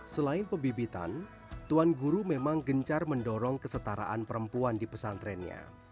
selain pembibitan tuan guru memang gencar mendorong kesetaraan perempuan di pesantrennya